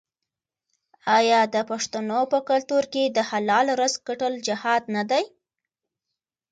آیا د پښتنو په کلتور کې د حلال رزق ګټل جهاد نه دی؟